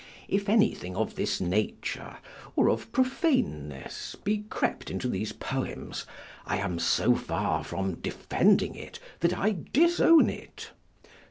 If anything of this nature, or of profaneness, be crept into these poems, I am so far from defending it, that I disown it.